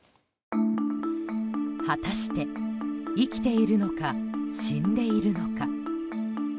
果たして、生きているのか死んでいるのか。